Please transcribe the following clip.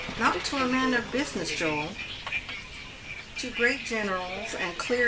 " Not to a man of business, Joel. To great generals and clear hcp.